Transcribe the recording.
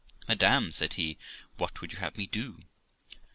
'Madam', said he, 'what would you have me do?'